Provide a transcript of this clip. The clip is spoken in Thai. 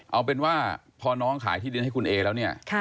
เอาเป็นว่าพอน้องขายที่ดินให้คุณเอแล้วเนี่ย